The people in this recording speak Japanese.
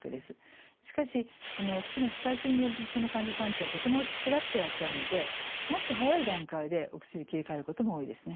しかしお薬の使いすぎによる頭痛の患者さんというのはとてもつらくていらっしゃるのでもっと早い段階でお薬切り替えることも多いですね。